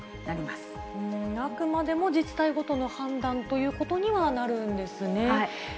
あくまでも自治体ごとの判断ということにはなるんですね。